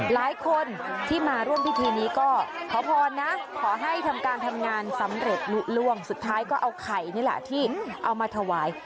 หลายคนที่มาร่วมพิธีนี้ก็ขอพรนะขอให้ทำการทำงานสำเร็จลุล่วงสุดท้ายก็เอาไข่นี่แหละที่เอามาถวาย